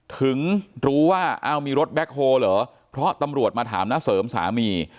ถึงรู้ว่าอ้าวมีรถแบ็คโฮลเหรอเพราะตำรวจมาถามน้าเสริมสามี